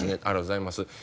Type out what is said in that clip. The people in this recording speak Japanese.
ありがとうございます」